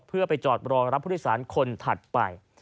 เพื่อไปจอดรองรับพุทธศาลคนถัดไป